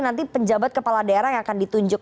nanti penjabat kepala daerah yang akan ditunjuk